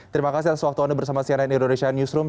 terima kasih atas waktu anda bersama cnn indonesia newsroom